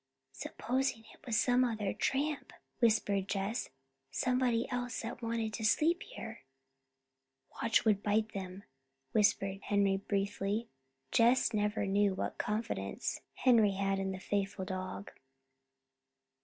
"Supposing it was some other tramp," whispered Jess, "somebody else that wanted to sleep here!" "Watch would bite 'em," whispered Henry briefly. Jess never knew what confidence Henry had in the faithful dog.